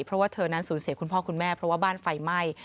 เพราะว่าเธอนั้นสูญเสียคุณพ่อคุณแม่เพราะว่าบ้านไฟไหม้